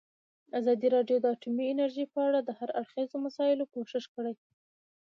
ازادي راډیو د اټومي انرژي په اړه د هر اړخیزو مسایلو پوښښ کړی.